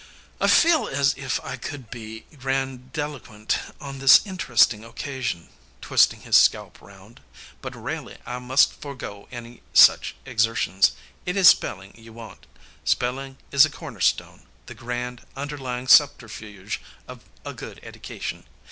"I feel as if I could be grandiloquent on this interesting occasion," twisting his scalp round, "but raley I must forego any such exertions. It is spelling you want. Spelling is the corner stone, the grand, underlying subterfuge, of a good eddication.